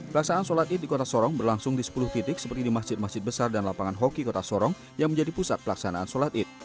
pelaksanaan sholat id di kota sorong berlangsung di sepuluh titik seperti di masjid masjid besar dan lapangan hoki kota sorong yang menjadi pusat pelaksanaan sholat id